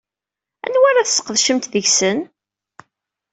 Anwa ara tesqedcemt deg-sen?